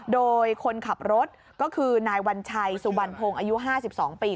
โดยคนขับรถก็คือนายวัญชัยสุบันพงศ์อายุ๕๒ปี